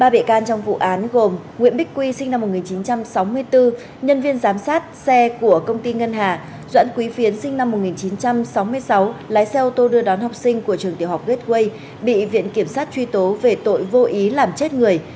ba bị can trong vụ án gồm nguyễn bích quy sinh năm một nghìn chín trăm sáu mươi bốn nhân viên giám sát xe của công ty ngân hà doãn quý phiến sinh năm một nghìn chín trăm sáu mươi sáu lái xe ô tô đưa đón học sinh của trường tiểu học gateway bị viện kiểm sát truy tố về tội vô ý làm chết người